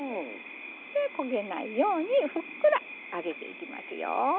で焦げないようにふっくら揚げていきますよ。